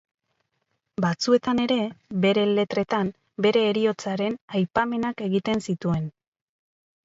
Batzuetan ere, bere letretan bere heriotzaren aipamenak egiten zituen.